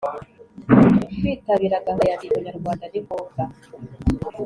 Kwitabira gahunda ya Ndi umunyarwanda ni ngombwa